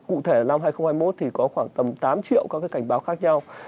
cụ thể là năm hai nghìn hai mươi một thì có khoảng tầm tám triệu các cái cảnh báo khác nhau